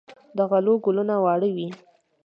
د غلو ګلونه واړه وي.